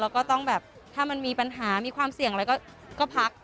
แล้วก็ต้องแบบถ้ามันมีปัญหามีความเสี่ยงอะไรก็พัก